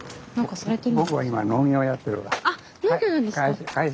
あっ農業やるんですか。